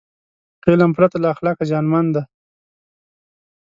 علم پرته له اخلاقه زیانمن دی.